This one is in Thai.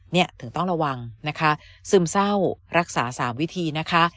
เนี่ยถึงต้องระวังนะคะซึมเศร้ารักษาสามวิธีนะคะ